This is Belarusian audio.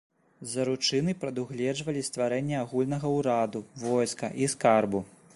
Заручыны прадугледжвалі стварэнне агульнага ўраду, войска і скарбу.